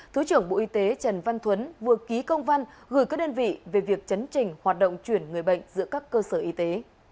thứ trưởng bộ y tế trần văn thuấn vừa ký công văn gửi các đơn vị về việc chấn trình hoạt động chuyển người bệnh giữa các cơ sở y tế